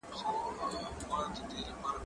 که وخت وي، پاکوالی کوم،